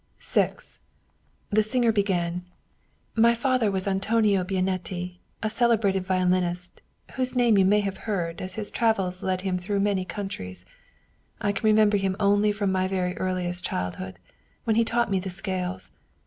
VI THE singer began :" My father was Antonio Bianetti, a celebrated violinist, whose name you may have heard, as his travels led him through many countries. I can remem ber him only from my very earliest childhood, when he taught me the scales.